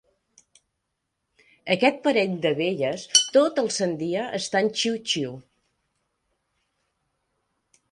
Aquest parell de velles tot el sant dia estan xiu-xiu.